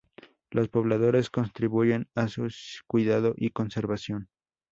Los pobladores contribuyen a su cuidado y conservación.